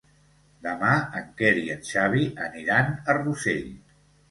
Demà en Quer i en Xavi aniran a Rossell.